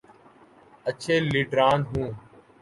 اچھے لیڈران ہوں۔